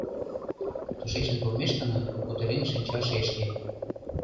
Тушечын толмешкына, — кутырен шинча шешке.